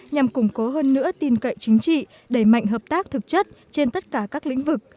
nhằm củng cố hơn nữa tin cậy chính trị đẩy mạnh hợp tác thực chất trên tất cả các lĩnh vực